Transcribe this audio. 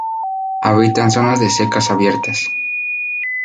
Habita en zonas de secas abiertas.